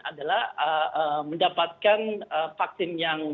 adalah mendapatkan vaksin